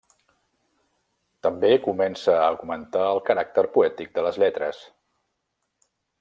També comença a augmentar el caràcter poètic de les lletres.